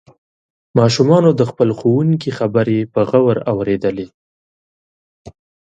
ماشومانو د خپل ښوونکي خبرې په غور اوریدلې.